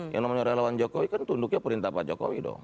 yang namanya relawan jokowi kan tunduknya perintah pak jokowi dong